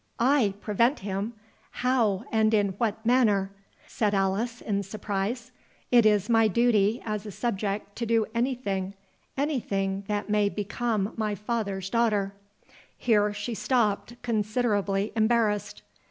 "I prevent him!—how, and in what manner?" said Alice, in surprise. "It is my duty, as a subject, to do anything—anything that may become my father's daughter"— Here she stopped, considerably embarrassed.